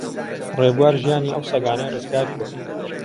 ڕێبوار ژیانی ئەو سەگانەی ڕزگار کرد.